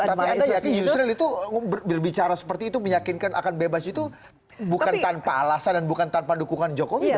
tapi anda yakin yusril itu berbicara seperti itu meyakinkan akan bebas itu bukan tanpa alasan dan bukan tanpa dukungan jokowi dong